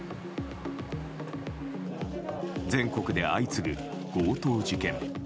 全国で相次ぐ強盗事件。